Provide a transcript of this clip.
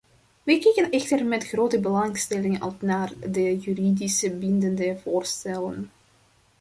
Wij kijken echter met grote belangstelling uit naar de juridisch bindende voorstellen.